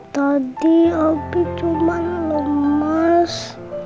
tadi abi cuma lemas